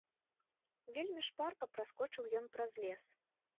Вельмі шпарка праскочыў ён праз лес.